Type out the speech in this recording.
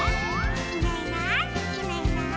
「いないいないいないいない」